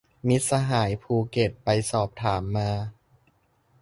มิตรสหายภูเก็ตไปสอบถามมา